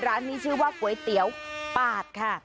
ร้านนี้ชื่อว่าก๋วยเตี๋ยวปาดค่ะ